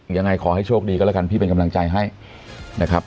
ยังไงขอให้โชคดีก็แล้วกันพี่เป็นกำลังใจให้นะครับ